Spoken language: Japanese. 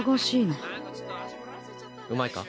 うまいか？